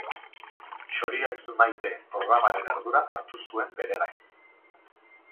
Txoria dut maite programaren ardura hartu zuen bere gain.